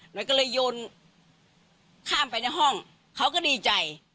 ก็เลยโยนข้ามไปในห้องเขาก็ดีใจ